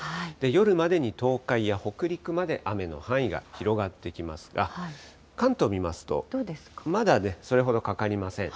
夜までに東海や北陸まで雨の範囲が広がってきますが、関東見ますと、まだね、それほどかかりません。